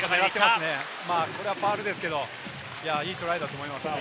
これはファウルですけれども、いいトライだと思います。